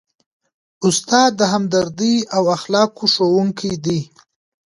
استاد د همدردۍ او اخلاقو ښوونکی دی.